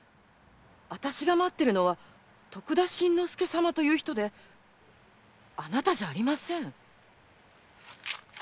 私が待ってるのは徳田新之助様という人であなたじゃありません。